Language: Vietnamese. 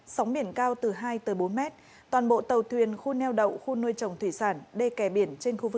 sóng biển cao từ hai tới bốn mét toàn bộ tàu thuyền khu neo đậu khu nuôi trồng thủy sản